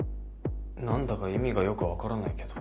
何だか意味がよく分からないけど。